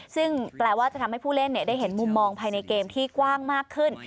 ซึ่งแปลว่าจะทำให้ผู้เล่นได้เห็นมุมมองภายในเกมที่กว้างมากขึ้น